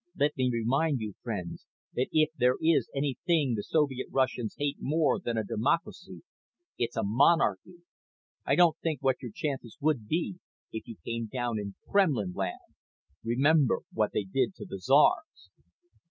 Let me remind you, friends, that if there is anything the Soviet Russians hate more than a democracy, it's a monarchy! I don't like to think what your chances would be if you came down in Kremlinland. Remember what they did to the Czars."